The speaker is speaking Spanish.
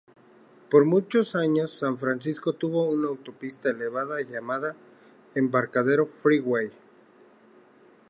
Por muchos años, San Francisco tuvo una autopista elevada llamada "Embarcadero Freeway".